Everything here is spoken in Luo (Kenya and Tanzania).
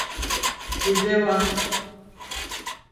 Thiedhe wa.